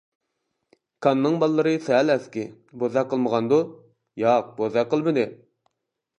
-كاننىڭ بالىلىرى سەل ئەسكى، بوزەك قىلمىغاندۇ؟ -ياق-بوزەك قىلمىدى.